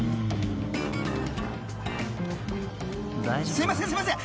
［すいませんすいません！